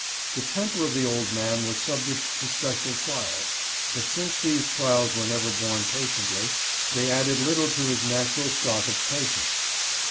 The temper of the old man was subject to special trials ; but since these trials were never borne patiently, they added little to his natural stock of patience.